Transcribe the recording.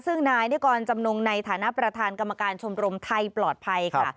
ซึ่งนายนิกรจำนงในฐานะประธานกรรมการชมรมไทยปลอดภัยค่ะ